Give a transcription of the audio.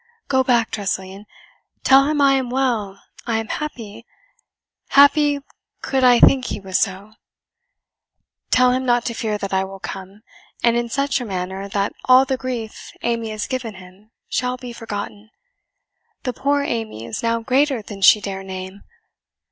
Go back, Tressilian tell him I am well, I am happy happy could I think he was so; tell him not to fear that I will come, and in such a manner that all the grief Amy has given him shall be forgotten the poor Amy is now greater than she dare name.